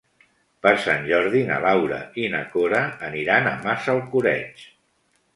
Per Sant Jordi na Laura i na Cora aniran a Massalcoreig.